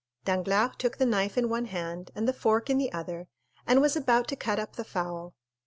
Danglars took the knife in one hand and the fork in the other, and was about to cut up the fowl.